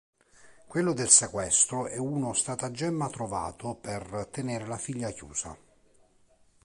Quello del sequestro è uno stratagemma trovato per tenere la figlia chiusa.